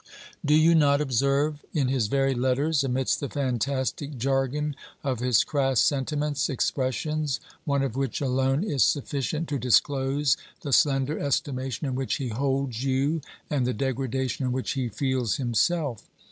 Do you not observe in his very letters, amidst the fantastic jargon of his crass sentiments, expressions, one of which alone is sufficient to disclose the slender estimation in which he holds you and the degradation in which he feels himself?